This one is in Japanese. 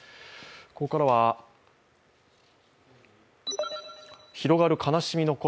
ここからは広がる悲しみの声